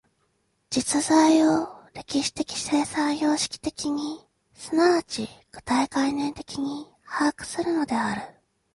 実在を歴史的生産様式的に即ち具体概念的に把握するのである。